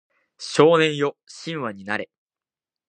少年よ神話になれ